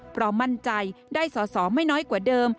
เพราะมั่นใจได้สอสอไม่น้อยกว่าเดิม